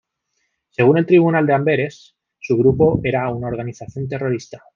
Según el tribunal de Amberes, su grupo era una "organización terrorista.